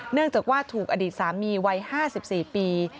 เนื่องจากว่าถูกอดีตสามีวัย๕๔ปี